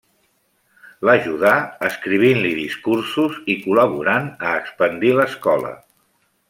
L'ajudà escrivint-li discursos i col·laborant a expandir l'escola.